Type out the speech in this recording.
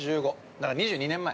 だから２２年前。